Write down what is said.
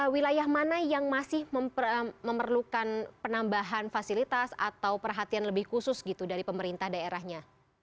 wilayah mana yang masih memerlukan penambahan fasilitas atau perhatian lebih khusus gitu dari pemerintah daerahnya